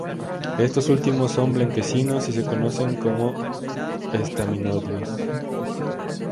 Estos últimos son blanquecinos y se conocen como estaminodios.